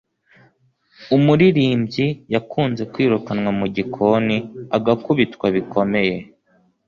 umuririmbyi yakunze kwirukanwa mugikoni agakubitwa bikomeye